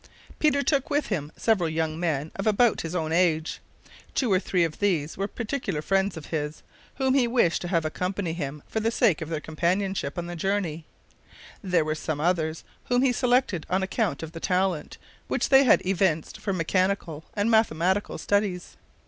Peter took with him several young men of about his own age. Two or three of these were particular friends of his, whom he wished to have accompany him for the sake of their companionship on the journey. There were some others whom he selected on account of the talent which they had evinced for mechanical and mathematical studies.